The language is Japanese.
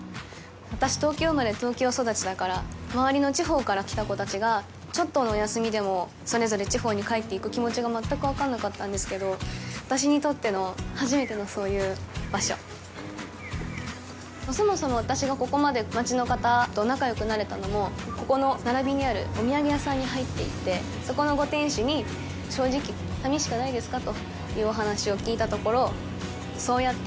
私、東京生まれ、東京育ちだから、周りの地方から来た子たちが、ちょっとの休みでもそれぞれ地方に帰っていく気持ちが全く分からなかったんですけどそもそも私がここまで町の方と仲よくなれたのも、ここの並びにあるお土産屋さんに入っていって、そこのご店主にそれを聞いて、絶対、ずっと来よう！って思ったんですよね。